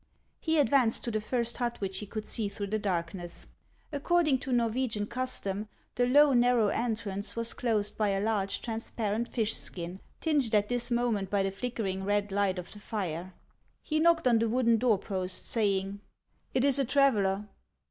He advanced to the first hut which he could see through the darkness. Ac cording to Norwegian custom, the low, narrow entrance HAXS OF ICELAND. 305 was closed by a large, transparent fish skin, tinged at this moment by the flickering red light of the fire. He knocked on the wooden doorpost, saying, —" It is a traveller